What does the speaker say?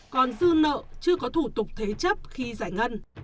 còn dư nợ chưa có thủ tục thế chấp khi giải ngân